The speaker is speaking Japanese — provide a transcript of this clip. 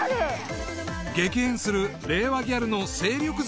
［激変する令和ギャルの勢力図まで］